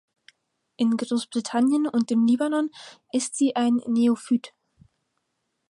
In Großbritannien und im Libanon ist sie ein Neophyt.